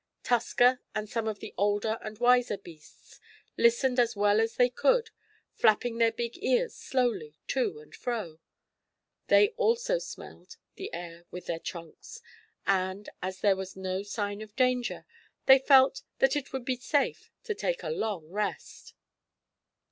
Tusker, and some of the older and wiser beasts, listened as well as they could, flapping their big ears slowly to and fro. They also smelled the air with their trunks. And, as there was no sign of danger, they felt that it would be safe to take a long rest.